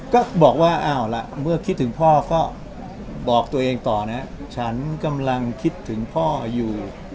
ก็บอกว่าเอาล่ะเมื่อคิดถึงพ่อก็บอกตัวเองต่อนะฉันกำลังคิดถึงพ่ออยู่